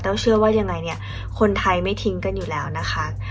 เชื่อว่ายังไงเนี่ยคนไทยไม่ทิ้งกันอยู่แล้วนะคะ